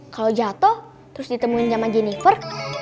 kalau jatuh terus ditemuin sama jennifer